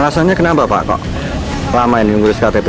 alasannya kenapa pak kok lama ini nunggu di ktp